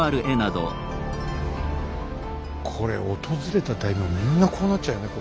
これ訪れた大名はみんなこうなっちゃうよね。